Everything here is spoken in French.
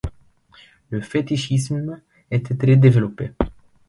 Le fétichisme était très développé.